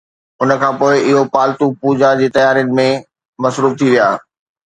ان کان پوء اهي پالتو پوجا جي تيارين ۾ مصروف ٿي ويا